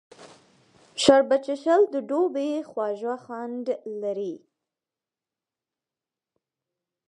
شربت څښل د دوبي خوږ خوند لري